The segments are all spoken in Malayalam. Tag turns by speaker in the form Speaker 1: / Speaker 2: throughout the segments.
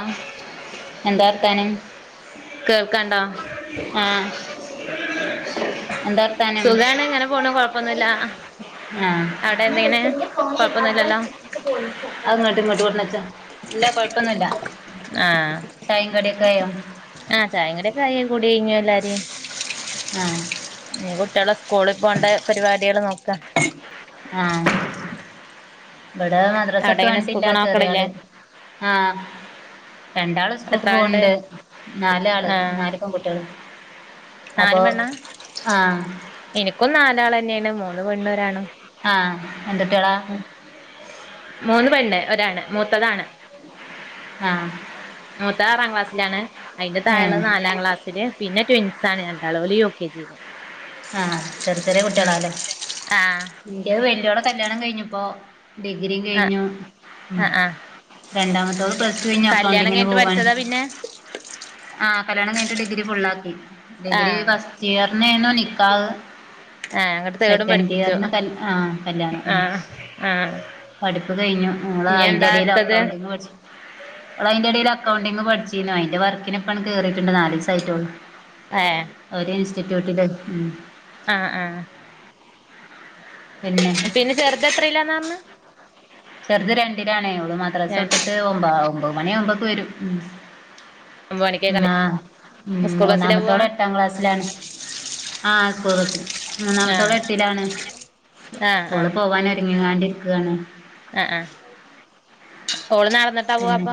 Speaker 1: ആഹ്
Speaker 2: എന്താ വർത്താനം
Speaker 1: കേൾക്ക്ണ്ടോ?
Speaker 2: ആഹ് എന്താ വർത്താനം
Speaker 1: സുഖാണ് ഇങ്ങനെ പോണ് കൊഴപ്പൊന്നുല്ല
Speaker 2: ആഹ്
Speaker 1: അവിടെ എന്തെങ്ങനെ കൊഴപ്പൊന്നുല്ലല്ലോ
Speaker 2: അത് ഇങ്ങട്ട് ഇങ്ങട്ട് കൊണ്ടന്നച്ച ഇല്ല കൊഴപ്പൊന്നുല്ല
Speaker 1: ആഹ്
Speaker 2: ചായിം കടിയൊക്കെ ആയോ
Speaker 1: ആഹ് ചായേം കടിക്കെ ആയി കൂടി കഴിഞ്ഞ് എല്ലാരേം
Speaker 2: ആഹ്
Speaker 1: ഞ്ഞ് കുട്ടിയളെ സ്കൂളിൽ പോണ്ട പരിപാടികൾ നോക്ക
Speaker 2: ആഹ് ഇവിടെ
Speaker 1: അവിടെ
Speaker 2: മദ്രാസട്ട്
Speaker 1: എങ്ങനെ സ്കൂൾ
Speaker 2: വന്നട്ടില്ല
Speaker 1: പോണ മക്കളില്ലേ
Speaker 2: ചെറിയാള് ആഹ് രണ്ടാള്
Speaker 1: എത്ര
Speaker 2: സ്കൂൾക്ക്
Speaker 1: ആളുണ്ട്
Speaker 2: പോവ്ണ്ട് നാലാള് നല് പെൺകുട്ടികള
Speaker 1: നല് പെണ്ണാ
Speaker 2: ആഹ്
Speaker 1: എനിക്കും നാലാളെന്നെയാണ് മൂന്ന് പെണ്ണും ഒരാണും
Speaker 2: ആഹ് എന്തുട്ടിയള?
Speaker 1: മൂന്ന് പെണ്ണ് ഒരാണ് മൂത്തതാണ്
Speaker 2: ആഹ്
Speaker 1: മൂത്തത് ആറാം ക്ലാസ്സിലാണ്, അതിന്റെ താഴെള്ളെ
Speaker 2: ഏഹ്
Speaker 1: നാലാം ക്ലാസ്സില് പിന്നെ ട്വിൻസ്സാണ് രണ്ടാള് ഓല് യുകെജി
Speaker 2: ആഹ് ചെറി ചെറിയ കുട്ടികളാല്ലോ.
Speaker 1: ആഹ്
Speaker 2: ഇൻ്റത് വല്ലിയോളെ കല്യാണം കഴിഞ്ഞിപ്പോ ഡിഗ്രി
Speaker 1: ആഹ്
Speaker 2: കഴിഞ്ഞു.
Speaker 1: ആഹ് ആഹ്
Speaker 2: രണ്ടാമത്തോള് പ്ലസ് ടു കഴിഞ്ഞ്
Speaker 1: കല്യാണം
Speaker 2: അകാണ്ടിങ്ങ്ന്
Speaker 1: കഴിഞ്ഞിട്ട്
Speaker 2: പോവാണ്
Speaker 1: പഠിച്ചതാ പിന്നെ
Speaker 2: ആഹ് കല്യാണം കഴിഞ്ഞിട്ട് ഡിഗ്രി ഫുള്ളാക്കി. ഡിഗ്രി
Speaker 1: ആഹ്
Speaker 2: ഫസ്റ്റ് ഇയറ്ന്നെയു നി ക്കാഹ്
Speaker 1: ആഹ് അങ്ങട്ട് തേർഡും
Speaker 2: സെക്കൻഡ്
Speaker 1: പഠിപ്പിച്ചു
Speaker 2: ഇയറ്ന്ന് കൽ ആഹാ കല്യാണം
Speaker 1: ആഹ് ആഹ്
Speaker 2: പഠിപ്പ് കഴിഞ്ഞു മോള്
Speaker 1: ഇനി എന്താ
Speaker 2: അയിന്റെടയിൽ
Speaker 1: അടുത്തത്
Speaker 2: അക്കൗണ്ടിങ് പഠിച്ചു ഓള് അതിന്റെ ഇടയിൽ അക്കൗണ്ടിംഗ് പഠിച്ചിരുന്നു. അതിന്റെ വർക്കിന് ഇപ്പാ കേറിയിട്ടുണ്ട് നാല് ദിവസം ആയിട്ടേള്ളൂ.
Speaker 1: ആയേ.
Speaker 2: ഒരേ ഇൻസ്റ്റിറ്റ്യൂട്ടില... ഉം
Speaker 1: ആഹ് ആഹ്
Speaker 2: പിന്നെ
Speaker 1: പിന്നെ ചെറുത് എത്രയിലാന്നാ പറഞ്ഞ്
Speaker 2: ചെറുത് രണ്ടിലാണേ. ഓള് മദ്രസ വിട്ടിട്ട് ഒമ്പതാകും. ഒമ്പത് മണിയാവുമ്പോഴേക്ക് വരും
Speaker 1: ഒമ്പത് മണിക്കേക്കാ
Speaker 2: ആ ഉം
Speaker 1: സ്കൂൾ ബസ്സിലാ പോവാ
Speaker 2: മൂന്നാമത്തോള് എട്ടാം ക്ലാസ്സിലാണ് ആ സ്കൂൾ ബസ്സിൽ. മൂന്നാമത്തോള്
Speaker 1: ആഹ്
Speaker 2: എട്ടിലാണ്.
Speaker 1: ആഹ്
Speaker 2: സ്കൂളിൽ പോകാനായി ഒരുങ്ങി കോണ്ടിരിക്കുകയാണ്.
Speaker 1: ആ ആ ഓള് നടന്നിട്ട്.
Speaker 2: പിന്നെ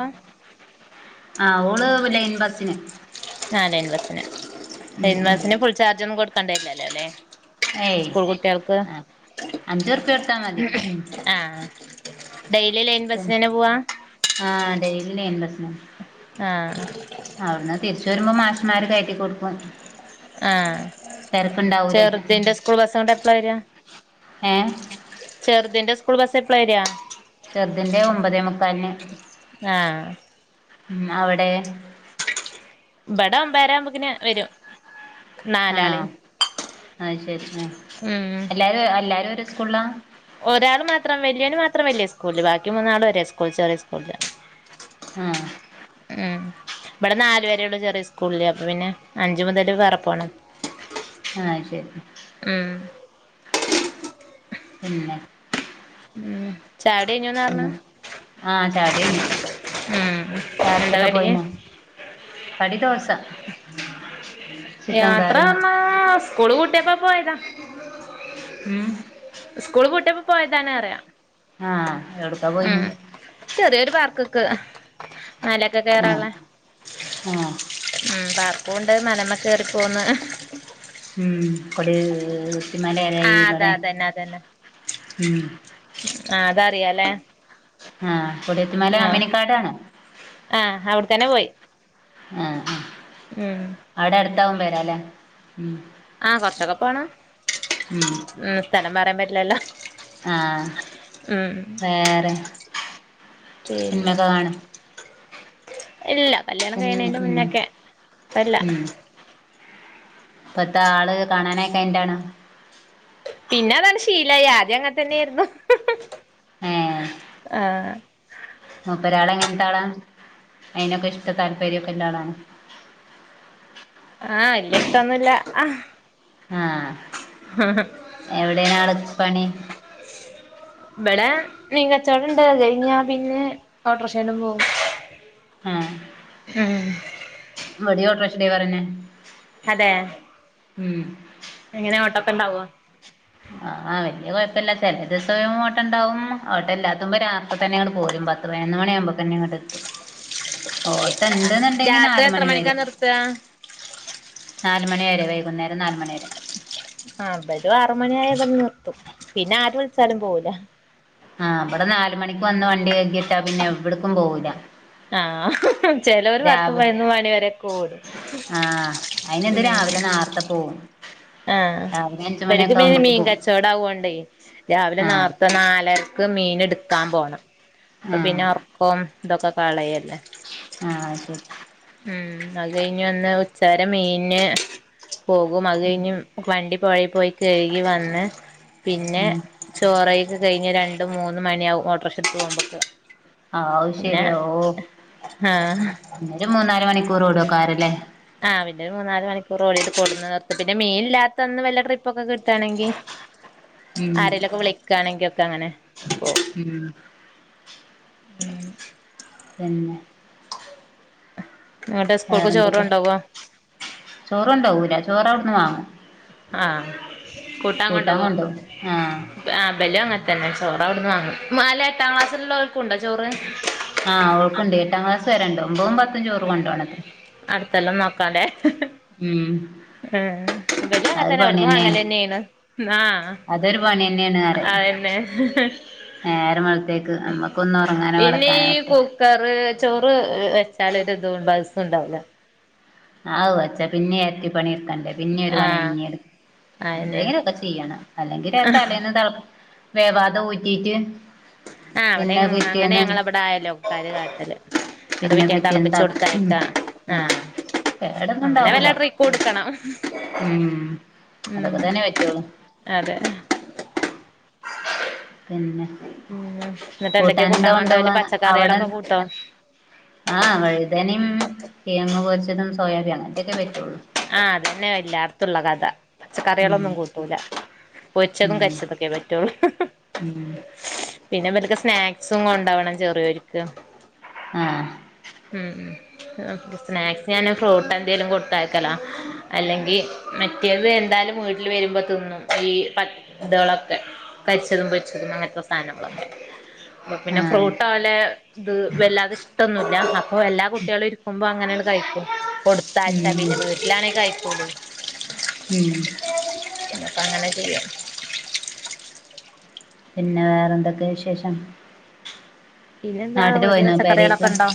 Speaker 2: ആ ഓള് ലൈൻ ബസിന്.
Speaker 1: നാലാം ക്ലാസിലാണ്.
Speaker 2: ഉം
Speaker 1: ലൈൻ
Speaker 2: ഉം
Speaker 1: ബസ്സിന് ഫുൾ ചാർജ് ഒന്നും കൊടുക്കേണ്ടയില്ലല്ലഅല്ലേ?
Speaker 2: ഏയ്
Speaker 1: സ്കൂൾ കുട്ടികൾക്ക്.
Speaker 2: ആ അഞ്ചുറുപ്യ കൊടുത്താ മതി ഉം
Speaker 1: ആഹ് ഡെയിലി ലൈൻ ബസ്സിന് തന്നെ പോവാ.
Speaker 2: ആഹ അതെ ലൈൻ ബസ്സിന്.
Speaker 1: ആഹ്.
Speaker 2: അവിടുന്ന് തിരിച്ച് വരുമ്പോ മാഷും മാര് കയറ്റി കൊടുക്കും
Speaker 1: ആഹ
Speaker 2: തിരക്കുണ്ടാവൂലേ
Speaker 1: ചെറുതിന്റെ സ്കൂൾ ബസ് അവിടൊ എപ്പളാ വര.
Speaker 2: ഏ
Speaker 1: ചെറുതിൻ്റെ സ്കൂൾ ബസ് എപ്പളാ വര.
Speaker 2: ചെറുതിൻ്റെ ഒമ്പതേ മുക്കാലിന്.
Speaker 1: ആഹ്.
Speaker 2: അവിടെ.
Speaker 1: ഇബടൊ ഒമ്പതരാവുംമ്പോഴേക്കും വരും.
Speaker 2: ആ
Speaker 1: നാലാളെയും
Speaker 2: അത് ശരി. ഉം.
Speaker 1: ഉം
Speaker 2: എല്ലാരും എല്ലാരും ഒരു സ്കൂളാ
Speaker 1: ഒരാള് മാത്രം വല്യോള് മാത്രം വലിയ സ്കൂളില്, ബാക്കി മൂന്നാളും ഒരേ സ്കൂള്. ചെറിയ സ്കൂള്.
Speaker 2: ആഹ്.
Speaker 1: ഉം ഇവിടെ നാലു വരെ ഉള്ളൂ ചെറിയ സ്കൂളില്. അപ്പൊ പിന്നെ അഞ്ചു മുതല് വേറെ പോണം.
Speaker 2: ആ അത് ശരി
Speaker 1: ഉം
Speaker 2: പിന്നൊ
Speaker 1: ഉം ചായുടി കഴിഞ്ഞൂന്നാ പറഞ്ഞെ
Speaker 2: ചായ കുടി കഴിഞ്ഞു
Speaker 1: ഉം എന്താ
Speaker 2: യാത്രയൊക്കെ
Speaker 1: കടി
Speaker 2: പോയിനാ കടി ദോശ. ചിക്കൻ
Speaker 1: യാത്ര
Speaker 2: കറിണ്ട്
Speaker 1: എന്നാ സ്കൂള് പൂട്ടിയപ്പം പോയതാ.
Speaker 2: ഉം
Speaker 1: സ്കൂൾ കൂട്ടിയപ്പോ പോയതാനെന്ന് പറിയാ
Speaker 2: ആ എവിടക്കാ പോയിന്.
Speaker 1: ചെറിയൊരു പാർക്ക്ക്ക് മലയൊക്കെ
Speaker 2: ആഹ്
Speaker 1: കേറാനുള്ളെ
Speaker 2: ആഹ്
Speaker 1: ഉം പാർക്കുവുണ്ട് മലേമ്മേ കേറിപ്പോന്ന
Speaker 2: ഉം കൊടി
Speaker 1: ആ
Speaker 2: കുത്തിനെരായി
Speaker 1: അത
Speaker 2: ഇവടെ
Speaker 1: അതന്നെ
Speaker 2: ഉം.
Speaker 1: ആഹ് അതറിയാല്ലേ
Speaker 2: ആഹ് കൊടിയത്തിമാല അമിനിക്കാടാണ്.
Speaker 1: ആഹ് അവിടെത്തന്നെ പോയി.
Speaker 2: ആഹ്
Speaker 1: ഉം
Speaker 2: അവിടെ അടുത്താവും പരാല്ലേ ഉം
Speaker 1: ആഹ് കൊറച്ചൊക്കെ പോണം ഉം സ്ഥലം പറയാൻ പറ്റില്ലല്ലോ?
Speaker 2: ആഹ്
Speaker 1: ഉം
Speaker 2: വേറെ
Speaker 1: പിന്നെ
Speaker 2: സിനിമയൊക്കെ കാണും
Speaker 1: ഇല്ല കല്യാണം
Speaker 2: സിനിമ
Speaker 1: കഴിയണേന്റെ
Speaker 2: ഉം
Speaker 1: മുന്നയൊക്കെ പ്പ ഇല്ല
Speaker 2: ഉം ഇപ്പത്തെ ആള് കാണാനായിട്ട് എന്റാണ്
Speaker 1: പിന്നെ അതങ്ങ് ശീലായി ആദ്യം അങ്ങന് തന്നെയിരുന്നു ആഹ്
Speaker 2: മുപ്പരാള് എങ്ങനത്തെ ആളാ അയിനൊക്കെ ഇഷ്ട താല്പര്യംഒക്കെ ള്ള ആളാണൊ
Speaker 1: ആഹ് വല്യ ഇഷ്ടൊന്നുല്ല ആഹ്
Speaker 2: ആഹ് എവിടെയാണ് ആള്ക്ക് പണി
Speaker 1: ഇവിടെ മീൻ കച്ചവടം ഇണ്ട് അത് കഴിഞ്ഞാ പിന്നെ ഓട്ടോറിക്ഷയിൽ പോകും
Speaker 2: ആഹ്
Speaker 1: ഉം
Speaker 2: ഇവടിം ഓട്ടറിക്ഷ ഡ്രൈവറന്നെ
Speaker 1: അതേ
Speaker 2: ഉം
Speaker 1: എങ്ങനെയാ ഓട്ടൊക്കെ ഉണ്ടാവോ?
Speaker 2: ആഹ് വല്ല്യ കെഴപ്പല്ല ചെല ദിവസം ഓട്ടം ഉണ്ടാവും ഓട്ടം ഇല്ലാത്തപ്പം രാത്രി തന്നെ ഇങ്ങട് പോരും പ പത്ത് പതിനൊന്നു മണി ആവുമ്പം തന്നെ ഇങ്ങോട്ട് എത്തും.
Speaker 1: [inaudible]
Speaker 2: ഓട്ടം ഇണ്ടന്നുണ്ടെങ്കി
Speaker 1: രാത്രി
Speaker 2: നാല്
Speaker 1: എത്ര മണിക്കാ
Speaker 2: മണിവരെ
Speaker 1: നിർത്താ
Speaker 2: നാല് മണി വരെ വൈകുന്നേരം നാല് മണിവരെ
Speaker 1: ആഹ് ഇവരും ആറുമണിയായ ഇതങ്ങു നിർത്തും പിന്നെ ആരും വിളിച്ചാലും പോവില്ല.
Speaker 2: ആഹ് ഇവടെ നാല് മണിക്ക് വന്ന് വണ്ടി കഴുകിയിട്ടാ പിന്നെ എവിട്ക്കും പോകൂല്ല
Speaker 1: ആഹ് ചെലവര് പത്ത് പതിനൊന്ന് മണി വരെയൊക്കെ ഓടും
Speaker 2: ആഹ് അയിന് ഇത് രാവിലെ നേരത്തെ പോവും.
Speaker 1: ആഹ്
Speaker 2: രാവിലെ അഞ്ച്
Speaker 1: ഇവര്ക്ക്
Speaker 2: മണിയൊക്കെ
Speaker 1: പിന്നെ
Speaker 2: ആവുമ്പോക്ക്
Speaker 1: മീൻ
Speaker 2: പോവും
Speaker 1: കച്ചവടം ആവോണ്ടേ രാവിലെ
Speaker 2: ആഹ്
Speaker 1: നേർത്തേ നാലര് ർക്ക് മീൻ എടുക്കാൻ പോണം അപ്പൊ
Speaker 2: ആഹ്
Speaker 1: പിന്നെ ഒറക്കവും ഇതൊക്കെ കളയല്ലേ
Speaker 2: ആഹ് ശരി
Speaker 1: ഉം അത് കഴിഞ്ഞ് വന്ന് ഉച്ച വരെ മീനിന് പോകും. അത്
Speaker 2: ഉം
Speaker 1: കഴിഞ്ഞ് വണ്ടി പുഴയി പോയി കഴുകി വന്ന് പിന്നെ
Speaker 2: ഉം
Speaker 1: ചോറ് കഴിയൊക്കെ കഴിഞ്ഞ് രണ്ടും മൂന്ന് മണിയാവും ഓട്ടോറിക്ഷ എടുത്ത് പോകുമ്പോക്ക്
Speaker 2: ആവൂ ശരിയാ ഓ
Speaker 1: ആഹ്
Speaker 2: പിന്നൊരു മൂന്നാല് മണിക്കൂറോടുകാരല്ലേ?
Speaker 1: ആഹ് പിന്നെ ഒരു മൂന്നാല് മണിക്കൂർ ഓടിയിട്ട് കൊണ്ട്ന്ന് നിർത്ത് പിന്നെ മീൻ ഇല്ലാത്തന്ന് വല്ല ട്രിപ്പ് ഒക്കെ കിട്ടാണെങ്കിൽ
Speaker 2: ഉം
Speaker 1: ആരെലൊക്കെ വിളിക്കയാണെങ്കിലൊക്കെ അങ്ങനെ പോവും.
Speaker 2: ഉം
Speaker 1: ഉം
Speaker 2: തന്നെ
Speaker 1: ഇങ്ങട്ട് സ്കൂൾക്ക് ചോറ്
Speaker 2: വേറെന്തൊക്കെ
Speaker 1: കൊണ്ടോവോ
Speaker 2: ചോറുണ്ടോവുലാ ചോറ് അവിടുന്ന് വാങ്ങും
Speaker 1: ആഹ്
Speaker 2: കൂട്ടാൻ കൊണ്ടോവും ആഹ്
Speaker 1: ആ ഇബലും അങ്ങന് ത്തന്നെ ചോറ് അവിടുന്ന് വാങ്ങും [unintelligible] എട്ടാം ക്ലാസുള്ളവർക്കുണ്ടോ ചോറ്?
Speaker 2: ആഹ് അവർക്കുണ്ട് എട്ടാം ക്ലാസ് വരെയുണ്ട് ഒമ്പതും പത്തും ചോറ് കൊണ്ടുപോണം അത്രേ
Speaker 1: അടുത്തൊല്ലാം നോക്കാണ്ടേ.
Speaker 2: ഉം.
Speaker 1: ആഹ്.
Speaker 2: അതൊരു
Speaker 1: ഇവലുംഅങ്ങത്തന്നെ അവിടന്ന്
Speaker 2: പണിയന്നേണ്
Speaker 1: വാങ്ങല്തന്നെണ് ആഹ്
Speaker 2: അതൊരു പണിയന്നേണ് പറയാ
Speaker 1: അതന്നെ.
Speaker 2: നേരം വെളുത്തേക്ക് നമ്മുക്കൊന്ന് ഉറങ്ങാനോ
Speaker 1: പിന്നെ
Speaker 2: കിടക്കാനോ
Speaker 1: ഈ കുക്കറ് ചോറ് വെച്ചാല് ഒരുതും ബൾസും ഉണ്ടാവുല്ല.
Speaker 2: ആഹ് വെച്ചാ പിന്നിം എരട്ടിപ്പണി എടുക്കണ്ടേ. പിന്നെ ഒരു പണി
Speaker 1: ആഹ്
Speaker 2: പിന്നിം എടു
Speaker 1: അയന്നെ
Speaker 2: എന്തെങ്കിലൊക്കെ ചെയ്യണം, അല്ലെങ്കിൽ തലേന്ന് തിള വേവാത ഊറ്റീട്ട്.
Speaker 1: ആ അവടിം അങ്ങനെ ഞങ്ങളെ വിടെ അയലോക്കക്കാര് കാട്ടല്. ഇന്നട്ട്
Speaker 2: പിന്നെ
Speaker 1: പിറ്റേന്ന്
Speaker 2: ത
Speaker 1: തളപ്പിച്ചു
Speaker 2: ഉം
Speaker 1: കൊടുത്തയക്ക ആഹ്.
Speaker 2: കേടൊന്നും
Speaker 1: അങ്ങനെ
Speaker 2: ഉണ്ടാവൂല
Speaker 1: വല്ല ട്രിക്കും ഇട്ക്കണം.
Speaker 2: ഉം
Speaker 1: ഉം
Speaker 2: അതൊക്കെ തന്നെ പറ്റുള്ളൂ
Speaker 1: അതെ
Speaker 2: പിന്നെ.
Speaker 1: ഉം ന്നട്ട് എന്തൊക്കെ
Speaker 2: കൂട്ടാനെന്താ
Speaker 1: കൂട്ടാൻ
Speaker 2: കൊണ്ടോവ
Speaker 1: കൊണ്ടോവല്
Speaker 2: അവടെ.
Speaker 1: പച്ചക്കറികളൊക്കെ കൂട്ടോ
Speaker 2: ആഹ് വഴുതനിം കിഴങ്ങ് പൊരിച്ചതും സോയാബിം അങ്ങൻത്തൊക്കെ പറ്റുള്ളൂ.
Speaker 1: ആഹ് അതന്നെ എല്ലാട്ത്തുള്ള കഥ
Speaker 2: ഉം
Speaker 1: പച്ചക്കറിയാളൊന്നും കൂട്ടൂല. പൊരിച്ചതും
Speaker 2: ഉം
Speaker 1: കരിച്ചതൊക്കെ പറ്റൊള്ളൂ.
Speaker 2: ഉം
Speaker 1: പിന്നെ ഇവൽക്ക് സ്നാക്സും കൊണ്ടോവണം ചെറിയോര്ക്ക്.
Speaker 2: ആഹ്.
Speaker 1: ഉം ഉം. സ്നാക്സ് ഞാൻ ഫ്രൂട്ട് എന്തെലും കൊടുത്തയക്കലാ, അല്ലെങ്കി മറ്റേത് എന്തായാലും വീട്ടിൽ വരുമ്പോ തിന്നും ഈ പ ഇതേളൊക്കെ കരിച്ചതും പൊരിച്ചതും അങ്ങൻത്തെ സാ സാനങ്ങളൊക്കെ അപ്പപിന്നെ
Speaker 2: ആഹ്
Speaker 1: ഫ്രൂട്ടോലെ ഇത് വല്ലാതെ ഇഷ്ടൊന്നുല്ല അപ്പോ എല്ലാ കുട്ടികളും ഇരിക്കുമ്പോ അങ്ങനാണ്ട് കഴിക്കും. കൊടുത്തയച്ച
Speaker 2: ഉം
Speaker 1: പിന്നെ വീട്ടിലാണെ കയിക്കൂലേ
Speaker 2: ഉം
Speaker 1: പിന്നെ പ്പങ്ങനെ ചെയ്യാ.
Speaker 2: പിന്നെ വേറെ എന്തൊക്കെ വിശേഷം?
Speaker 1: പിന്നെന്താ
Speaker 2: നാട്ടില്
Speaker 1: വീട്ടില്
Speaker 2: പോയിന്നോ
Speaker 1: പച്ചക്കറികളൊക്കെ
Speaker 2: പെരേക്ക്
Speaker 1: ഉണ്ടോ?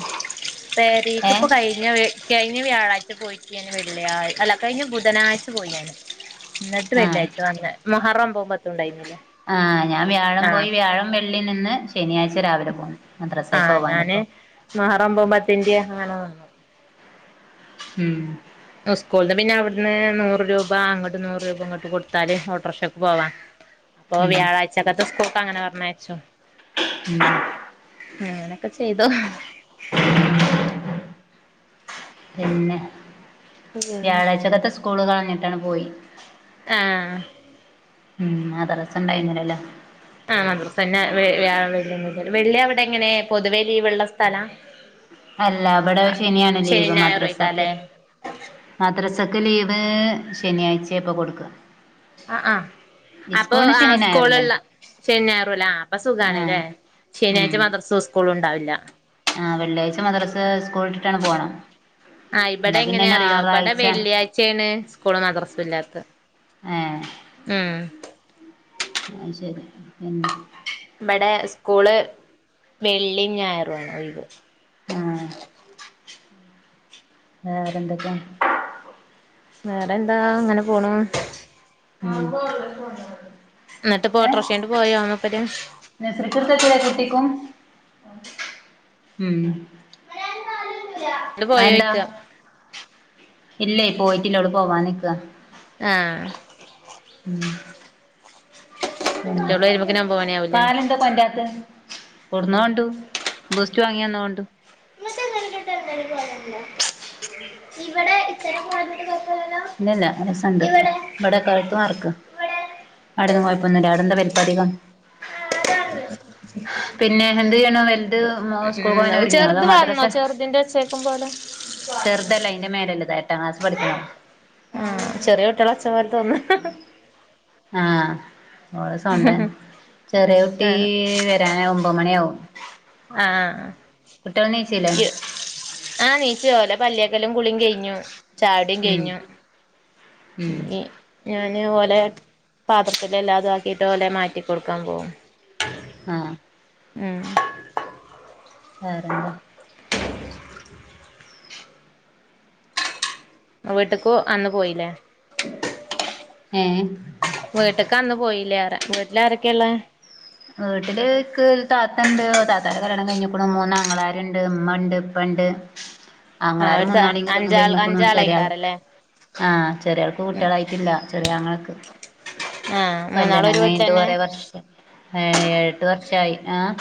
Speaker 1: പെരീക്ക് ഇപ്പ
Speaker 2: ഏഹ്
Speaker 1: കൈ ഞ്ഞ വെ ക്യയിഞ്ഞ വ്യാഴാഴ്ച പോയിട്ട് ഞാൻ വെള്ളിയായി അല്ല കഴിഞ്ഞ ബുധനാഴ്ച്ച പോയി ഞാന്. ഇന്നട്ട്
Speaker 2: ആഹ്
Speaker 1: വെള്ളിയാഴ്ച്ച വന്ന് മുഹറം ഒൻപതും പത്തും ഉണ്ടായിന്നില്ലേ.
Speaker 2: ആഹ് ഞാൻ വ്യാഴം പോയി വ്യാഴം വെള്ളി നിന്ന് ശനിയാഴ്ച രാവിലെ പോന്ന്,
Speaker 1: ആഹ്
Speaker 2: മദ്രസേക്കോവാന്.
Speaker 1: ഞാന് മുഹറം ഒൻപതും പത്തിന്റെ അങ്ങനെ നിന്നു.
Speaker 2: ഉം.
Speaker 1: ഉസ്കൂൾന്ന് പിന്നെ അവ്ട്ന്ന് നൂറ് രൂപ അങ്ങട്ടും നൂറ് രൂപ ഇങ്ങോ ട്ടും കൊടുത്താല് ഓട്ടോറിക്ഷക്ക് പോവാ. അപ്പോ
Speaker 2: ഉം
Speaker 1: വ്യാഴാഴ്ചക്കത്തെ സ്കൂക്ക് അങ്ങനെ പറഞ്ഞയച്ചും
Speaker 2: ഉം.
Speaker 1: അങ്ങനെക്കെ ചെയ്തു.
Speaker 2: പിന്നെ, വ്യാഴാഴ്ച്ചകത്തെ സ്കൂള് കളഞ്ഞിട്ടാണ്ട് പോയി.
Speaker 1: ആഹ്.
Speaker 2: ഉം മദ്റസ ഉണ്ടായിന്നില്ലല്ലോ.
Speaker 1: ആഹ് മദ്‌റസ ന്നെ വെ വ്യാഴം, വെള്ളി ഒന്നും ഇല്ലല്ലോ, വെള്ളി അവിടെ എങ്ങനെ പൊതുവെ ലീവുള്ള സ്ഥലാ?
Speaker 2: അല്ല, ഇവടെ ശനിയാണ്
Speaker 1: ശനി
Speaker 2: ലീവ് മദ്രസക്ക്.
Speaker 1: ഞായറൊയ്ക്കാല്ലേ
Speaker 2: മദ്റസക്ക് ലീവ് ശനിയാഴ്ച്ചേ ഇപ്പ കൊടുക്കാ.
Speaker 1: അഹ് അഹ്. അപ്പോ ആ
Speaker 2: ശനിയും ഞായറും
Speaker 1: സ്കൂളുള്ള
Speaker 2: തന്നെ
Speaker 1: ശനിം ഞായറും അല്ലേ അപ്പോ സുഖാണ്
Speaker 2: ആഹ്
Speaker 1: ല്ലേ.
Speaker 2: ഉം
Speaker 1: ശനിയാഴ്ച്ച മദ്റസും സ്കൂളും ഉണ്ടാവില്ല.
Speaker 2: ആഹ് വെള്ളിയാഴ്ച്ച മദ്റസ് സ്കൂള് വിട്ടിട്ടാണ്ട് പോണം.
Speaker 1: ആഹ് ഇബടെ എങ്ങനെ അറിയോ, ഇബടെ വെള്ളിയാഴ്ച്ചേണ് സ്കൂളും മദ്റസും ഇല്ലാത്തത്.
Speaker 2: ഏഹ്
Speaker 1: ഉം
Speaker 2: അഹ് ശരി പിന്നെ
Speaker 1: ഇബടെ സ്കൂള് വെള്ളിം ഞായറും ആണ് ഒഴിവ്
Speaker 2: ആഹ് വേറെന്തൊക്കെ?
Speaker 1: വേറെ ന്താ. അങ്ങനെ പോണു
Speaker 2: [inaudible]
Speaker 1: ഇന്നട്ട് ഇപ്പൊ ഓട്ടോർഷേണ്ട് പോയോ മൂപ്പര്?
Speaker 2: നേഷസരിക് കുട്ടിക്കും ഉം
Speaker 1: ണ്ട്
Speaker 2: അതെന്താ?
Speaker 1: പോയോയ്ക്ക
Speaker 2: ഇല്ലേ പോയിട്ടില്ല. അവള് പോവാൻ നിക്കാ.
Speaker 1: ആഹ്
Speaker 2: ഉം. പിന്നെ
Speaker 1: മറ്റോള് വരുമ്പോക്കിന് ഒമ്പത് മണിയാവൂല്ലേ
Speaker 2: പാലം കെണ്ടരാത്ത്? കൊടന്നു കണ്ടു. ബൂസ്റ്റ് വാങ്ങി വന്ന കണ്ടു. ഇത്തെ നിലപെട്ട ഒരുപലല്ലോ [inaudible]
Speaker 1: [inaudible]
Speaker 2: ഇല്ല സ ഇവിടെ ക്ക് അവിടെന്ന് കോയപ്പൊന്നില്ല അവിടെന്താ വലിപ്പ അധികം പിന്നെ എന്ത് ചെയ്യണു അവൻ? ദ് മോൻ സ്കൂൾ
Speaker 1: ഉം
Speaker 2: പോകാനൊരുങ്ങ്യാ? അതോ
Speaker 1: ചെറുത് വന്നോ
Speaker 2: മദ്രസേ?
Speaker 1: ചെറുതിന്റെ ഒച്ചേക്കും പോലെ
Speaker 2: ചെറ്തല്ല അതിന്റെ മേലേള്ള താ. എട്ടാം ക്ലാസ്സ് പഠിക്കണതാ
Speaker 1: ആഹ് ചെറ്യ കുട്ടികള ഒച്ചമാതിരി തോന്നാ
Speaker 2: ആഹ് ഓള സൗണ്ട ചെറ്യ കുട്ടി
Speaker 1: ആഹ്
Speaker 2: വരാന ഒമ്പത് മണിയാകും
Speaker 1: ആഹ് ആഹ് ആഹ്
Speaker 2: കുട്ട്യാള് നീച്ചില്ലേ?
Speaker 1: ആഹ് നീച്ചു ഓരടെ പല്ലേക്കലും കുളീം കയ്ഞ്ഞു ചായുടിയും
Speaker 2: ഉം
Speaker 1: കയ്ഞ്ഞു.
Speaker 2: ഉം
Speaker 1: ഞ്ഞി ഞാന് ഓലെ പാത്രത്തില് എല്ലാതും ആക്കിട്ട് ഓലെ മാറ്റി കൊടുക്കാൻ പോവും.
Speaker 2: ആഹ്
Speaker 1: ഉം
Speaker 2: വേറെന്താ?
Speaker 1: വീട്ട്ക്കു അന്ന് പോയില്ലേ?
Speaker 2: ഏഹ്?
Speaker 1: വീട്ടക്ക് അന്ന് പോയില്ലേറ വീട്ടിലാരൊക്കെള്ള്?
Speaker 2: വീട്ടില് ക്ക് താത്തണ്ട്. താത്താന്റെ കല്യാണം കഴിഞ്ഞക്കുണു. മൂന്നാങ്ങളാരുണ്ട്. ഉമ്മണ്ട്. ഉപ്പണ്ട്
Speaker 1: ആഹ്.
Speaker 2: ആങ്ങളാര്
Speaker 1: ഒര് താ
Speaker 2: മൂന്നാളീം കല്യാണം
Speaker 1: അഞ്ചാൾ
Speaker 2: കഴിഞ്ഞുക്കുണു ചെറിയ ആൾ
Speaker 1: അഞ്ചാളയിക്കാരല്ലേ?
Speaker 2: ആഹ് ചെറ്യാൾക്ക് കുട്ട്യാളായിട്ടില്ല. ചെറ്യ അങ്ങളക്ക്
Speaker 1: ആഹ് മൂന്നാളും
Speaker 2: കല്യാണം
Speaker 1: ഒരു
Speaker 2: കഴിഞ്ഞിട്ട്
Speaker 1: വീട്ടിലന്നെ
Speaker 2: കൊറെേ വർഷ് ഏഹ് ഏഴെട്ട് വർഷായി. ആഹ്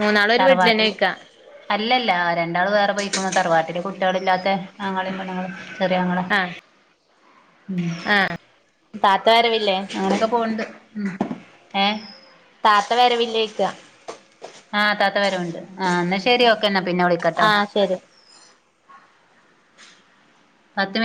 Speaker 1: മൂന്നാളും ഒരു വീട്ടിലന്നെ
Speaker 2: തറവാട്ടില്
Speaker 1: നിക്കാ
Speaker 2: അല്ലല്ല രണ്ടാള് വേറെ പോയിക്കണു. തറവാട്ടില് കുട്ടികളില്ലാത്ത ആങ്ങളീം പെണ്ണുങ്ങളും ചെറ്യാങ്ങള.
Speaker 1: ആഹ്
Speaker 2: ഉം
Speaker 1: ആഹ് താത്ത വരവില്ലേ?
Speaker 2: അങ്ങനൊക്കെ പോൺണ്ട്. ഉം. ഏഹ്
Speaker 1: താത്ത വരവില്ല്വോയ്ക്കാ
Speaker 2: ആഹ് താത്ത വരവുണ്ട്. ആഹ് ന്നാ ശരി. ഓക്കെന്നാ പിന്ന വിളിക്കാട്ടോ.
Speaker 1: ആഹ് ശരി
Speaker 2: പത്ത് മ്